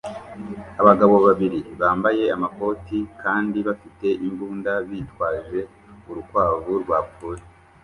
Abagabo babiri bambaye amakoti kandi bafite imbunda bitwaje urukwavu rwapfuye